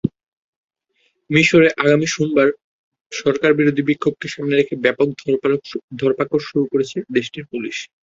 মিসরে আগামী সোমবারের সরকারবিরোধী বিক্ষোভকে সামনে রেখে ব্যাপক ধরপাকড় শুরু করেছে দেশটির পুলিশ।